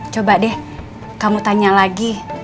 coba deh kamu tanya lagi